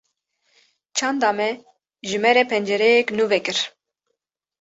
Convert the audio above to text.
Çanda me, ji me re pencereyek nû vekir